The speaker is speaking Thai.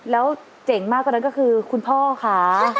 แล้วเจ๋งมากกว่านั้นก็คือคุณพ่อค่ะ